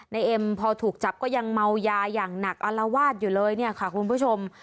เอ็มพอถูกจับก็ยังเมายาอย่างหนักอารวาสอยู่เลยเนี่ยค่ะคุณผู้ชม